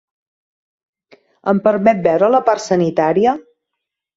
Em permet veure la part sanitària?